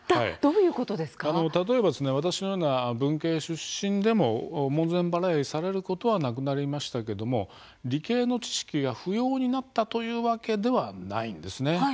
例えば私のような文系出身でも門前払いされることはなくなりましたが理系の知識が不要になったというわけではないんですね。